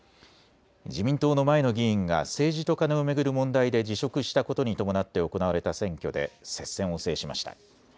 自民党の前の議員が政治とカネを巡る問題で辞職したことに伴って行われた選挙で接戦を制しました。